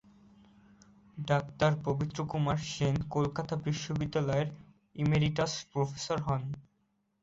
ডাক্তারপবিত্রকুমার সেন কলকাতা বিশ্ববিদ্যালয়ের emeritus professor হন।